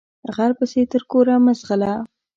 غل پسې تر کوره مه ځغلهٔ